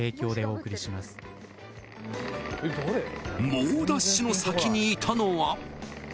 ［猛ダッシュの先にいたのは］